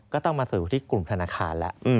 ก็ต้องมาสู่ที่กลุ่มธนาคารแล้ว